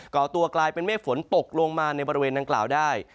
่อตัวกลายเป็นเมฆฝนตกลงมาในบริเวณดังกล่าวได้